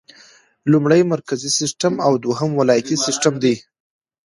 لومړی مرکزي سیسټم او دوهم ولایتي سیسټم دی.